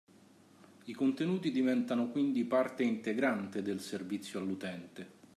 I contenuti diventano quindi parte integrante del servizio all’utente.